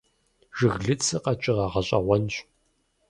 Жыглыцыр къэкӀыгъэ гъэщӀэгъуэнщ.